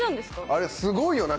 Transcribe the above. あれすごいよな？